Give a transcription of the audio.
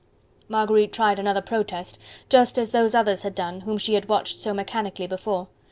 Marguerite tried another protest, just as those others had done, whom she had watched so mechanically before.